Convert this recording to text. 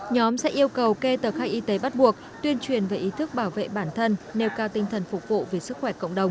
nhóm sẽ yêu cầu kê tờ khai y tế bắt buộc tuyên truyền về ý thức bảo vệ bản thân nêu cao tinh thần phục vụ về sức khỏe cộng đồng